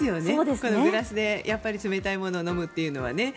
このグラスで冷たいものを飲むというのはね。